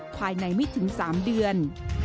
ภายในไม่ถึง๓เดือน